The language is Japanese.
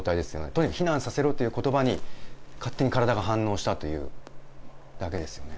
とにかく避難させろということばに、勝手に体が反応したというだけですよね。